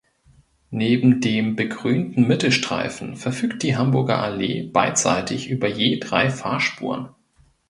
Neben dem begrünten Mittelstreifen verfügt die Hamburger Allee beidseitig über je drei Fahrspuren.